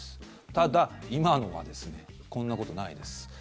ただ、今のはこんなことないです。